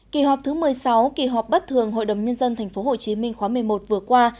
kỳ họp thứ một mươi sáu kỳ họp bất thường hội đồng nhân dân tp hcm khóa một mươi một vừa qua